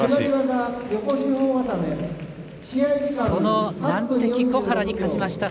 その難敵、小原に勝ちました。